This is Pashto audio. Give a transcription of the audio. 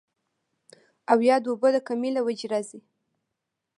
او يا د اوبو د کمۍ له وجې راځي